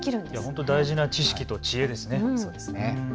本当に大事な知識と知恵ですね。